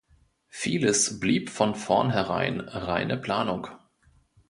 Vieles blieb von vornherein reine Planung.